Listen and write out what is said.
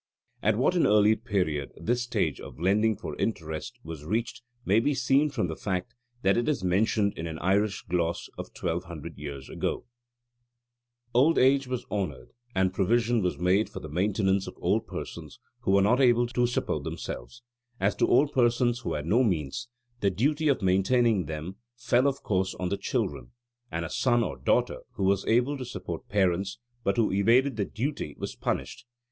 At what an early period this stage of lending for interest was reached may be seen from the fact that it is mentioned in an Irish gloss of twelve hundred years ago. Old age was greatly honoured, and provision was made for the maintenance of old persons who were not able to support themselves. As to old persons who had no means, the duty of maintaining them fell of course on the children; and a son or daughter who was able to support parents but who evaded the duty was punished.